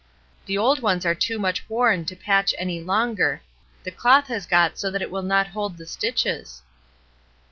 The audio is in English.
The old ones are too much worn to patch any longer, the cloth has got so that it will not hold the stitches."